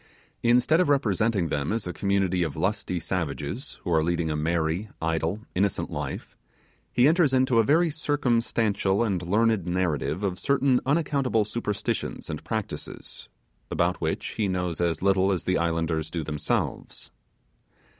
Instead of representing them as a community of lusty savages, who are leading a merry, idle, innocent life, he enters into a very circumstantial and learned narrative of certain unaccountable superstitions and practices, about which he knows as little as the islanders themselves.